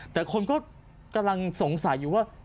แต่คนก็กำลังสงสัยอยู่ว่า